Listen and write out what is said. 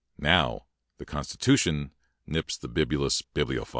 Now the Constitution nips Uie bibulous bibliophile.